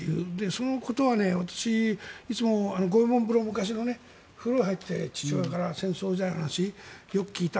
そのことは私、いつも昔の五右衛門風呂風呂に入って父親から戦争時代の話、よく聞いた。